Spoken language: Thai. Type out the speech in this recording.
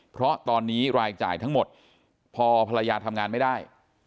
เพราะตอนนี้รายจ่ายทั้งหมดพอภรรยาทำงานไม่ได้